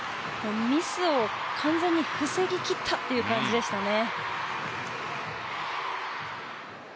ミスを完全に防ぎ切ったという感じでしたね。